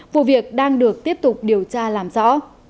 vụ việc đang được tiếp tục điều tra làm rõ